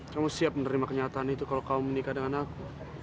kamu siap menerima kenyataan itu kalau kamu menikah dengan aku